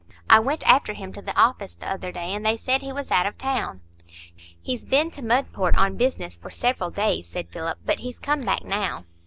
I went after him to the office the other day, and they said he was out of town." "He's been to Mudport on business for several days," said Philip; "but he's come back now."